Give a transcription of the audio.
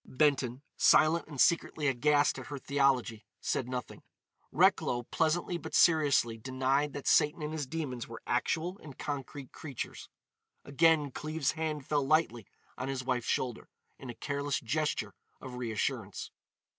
Benton, silent and secretly aghast at her theology, said nothing. Recklow pleasantly but seriously denied that Satan and his demons were actual and concrete creatures. Again Cleves's hand fell lightly on his wife's shoulder, in a careless gesture of reassurance.